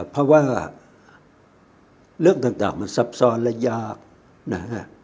เพราะว่าเรื่องต่างมันซับซ้อนและยากนะฮะ